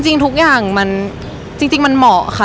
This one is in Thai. จริงทุกอย่างมันเหมาะค่ะ